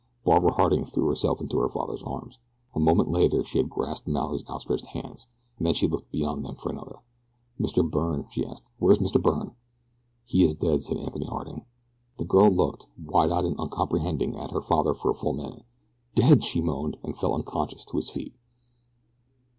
Barbara Harding threw herself into her father's arms. A moment later she had grasped Mallory's outstretched hands, and then she looked beyond them for another. "Mr. Byrne?" she asked. "Where is Mr. Byrne?" "He is dead," said Anthony Harding. The girl looked, wide eyed and uncomprehending, at her father for a full minute. "Dead!" she moaned, and fell unconscious at his feet.